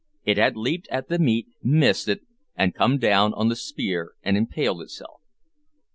It had leaped at the meat, missed it, and had come down on the spear and impaled itself.